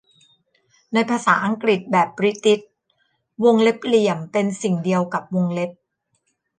ในภาษาอังกฤษแบบบริติช วงเล็บเหลี่ยมเป็นสิ่งเดียวกับวงเล็บ